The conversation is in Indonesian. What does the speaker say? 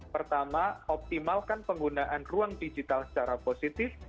pertama optimalkan penggunaan ruang digital secara positif